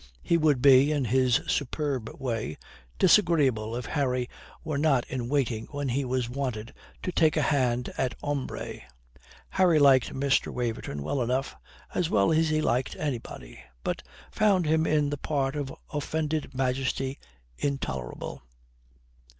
He would be, in his superb way, disagreeable if Harry were not in waiting when he was wanted to take a hand at ombre. Harry liked Mr. Waverton well enough, as well as he liked anybody, but found him in the part of offended majesty intolerable.